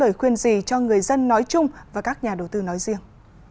lời khuyên gì cho người dân nói chung và các nhà đầu tư nói riêng